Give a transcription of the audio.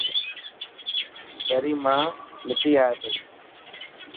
دري مان مٺي آئي پئي.